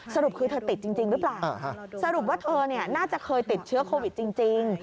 สรุปคือเธอติดจริงหรือเปล่าสรุปว่าเธอน่าจะเคยติดเชื้อโควิดจริง